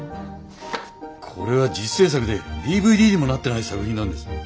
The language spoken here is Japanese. これは自主制作でＤＶＤにもなってない作品なんです。